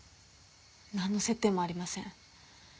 なんの接点もありません。